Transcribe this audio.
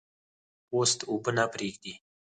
پوست اوبه نه پرېږدي.